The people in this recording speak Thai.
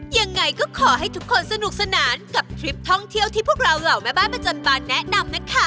ยังไงก็ขอให้ทุกคนสนุกสนานกับทริปท่องเที่ยวที่พวกเราเหล่าแม่บ้านประจำบานแนะนำนะคะ